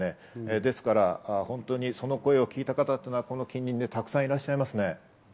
ですから、本当にその声を聞いた方がこの近隣に沢山いらっしゃいますね。